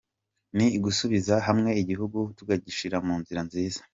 ni gusubiza hamwe igihugu tugishira mu nzira nziza.